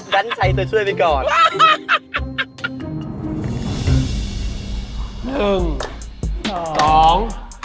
ดันใช้ตัวช่วยไปก่อน